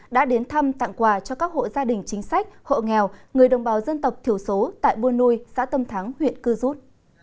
đã đến thăm tặng quà cho các hộ gia đình chính sách hộ nghèo người đồng bào dân tộc thiểu số tại buôn nui xã tâm thắng huyện cư rút